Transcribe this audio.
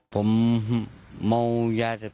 ผมเมายาเสพติดครับ